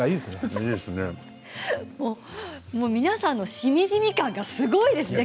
皆さんのしみじみ感がすごいですね。